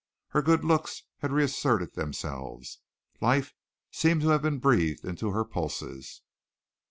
Her good looks had reasserted themselves. Life seemed to have been breathed into her pulses.